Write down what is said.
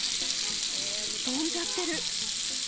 飛んじゃってる。